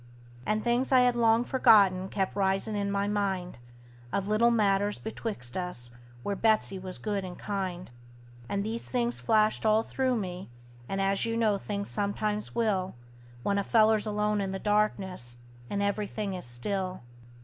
And things I had long forgotten kept risin' in my mind, Of little matters betwixt us, where Betsey was good and kind; And these things flashed all through me, as you know things sometimes will When a feller's alone in the darkness, and every thing is still.